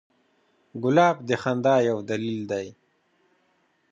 ګلاب د خندا یو دلیل دی.